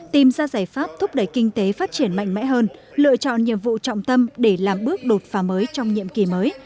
tìm ra giải pháp thúc đẩy kinh tế phát triển mạnh mẽ hơn lựa chọn nhiệm vụ trọng tâm để làm bước đột phá mới trong nhiệm kỳ mới